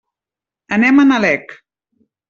Anem a Nalec.